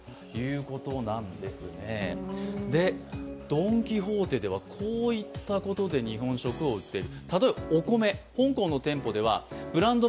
ドン・キホーテではこういったことで日本食を売っている。